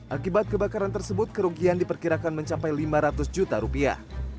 akibat kebakaran tersebut kerugian diperkirakan mencapai lima ratus juta rupiah